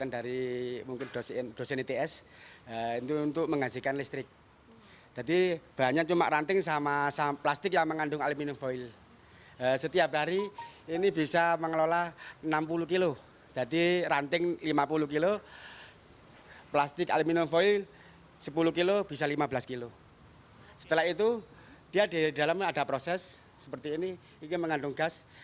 di dalamnya ada proses seperti ini ini mengandung gas